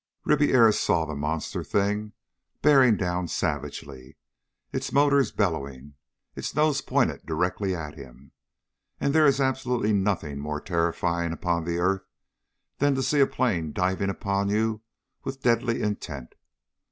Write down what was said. Ribiera saw the monster thing bearing down savagely, its motors bellowing, its nose pointed directly at him. And there is absolutely nothing more terrifying upon the earth than to see a plane diving upon you with deadly intent.